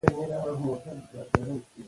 څرنګه چې وخت تنظیم شي، کارونه به پاتې نه شي.